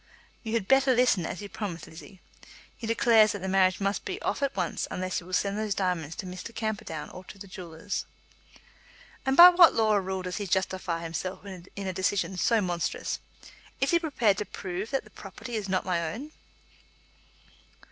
"You had better listen, as you promised, Lizzie. He declares that the marriage must be off at once unless you will send those diamonds to Mr. Camperdown or to the jewellers." "And by what law or rule does he justify himself in a decision so monstrous? Is he prepared to prove that the property is not my own?"